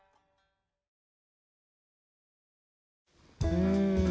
うん。